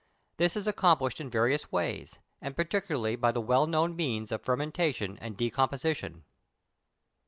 This is accomplished in various ways, and particularly by the well known means of fermentation and decomposition.